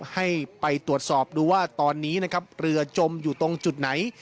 ให้ไปตรวจสอบดูว่าตอนนี้นะครับเรือจมอยู่ตรงจุดไหน